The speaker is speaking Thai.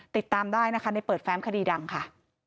ติดตามได้นะคะในเปิดแฟ้มคดีดังค่ะ